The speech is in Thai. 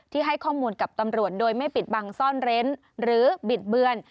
ให้ข้อมูลกับตำรวจโดยไม่ปิดบังซ่อนเร้นหรือบิดเบือน